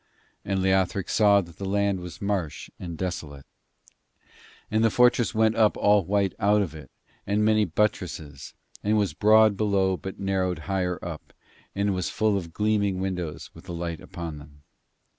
And Leothric saw that the land was marsh and desolate. And the fortress went up all white out of it, with many buttresses, and was broad below but narrowed higher up, and was full of gleaming windows with the light upon them.